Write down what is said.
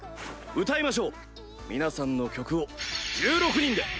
歌いましょう皆さんの曲を１６人で！